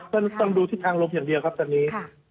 ต้องดูทิศทางลมอย่างเดียวครับตอนนี้